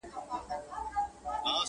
بیا به جهان راپسي ګورې نه به یمه٫